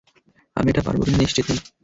আমি এটা পারবো কিনা, নিশ্চিত নই।